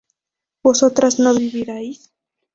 vosotras no viviríais